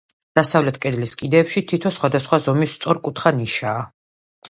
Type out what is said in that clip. დასავლეთ კედლის კიდეებში თითო სხვადასხვა ზომის სწორკუთხა ნიშაა.